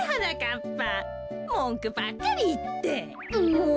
もう！